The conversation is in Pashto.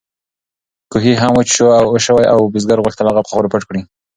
کوهی هم وچ شوی و او بزګر غوښتل هغه په خاورو پټ کړي.